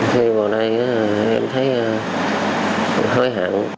thì vào đây em thấy hơi hẳn